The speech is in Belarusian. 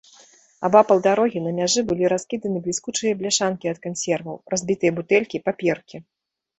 Абапал дарогі на мяжы былі раскіданы бліскучыя бляшанкі ад кансерваў, разбітыя бутэлькі, паперкі.